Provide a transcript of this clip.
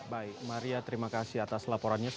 baik maria terima kasih atas laporannya